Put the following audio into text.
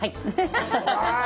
ハハハハハ。